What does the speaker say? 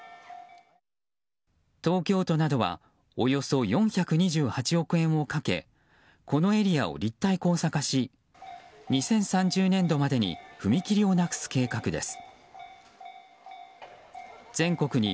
東京都などはおよそ４２８億円をかけこのエリアを立体交差化し２０３０年度までに踏切をなくす計画です。